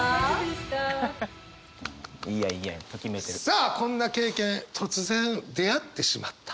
さあこんな経験突然出会ってしまった。